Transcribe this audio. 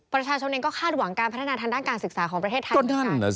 ประชาชนเองก็คาดหวังการพัฒนาทางด้านการศึกษาของประเทศไทย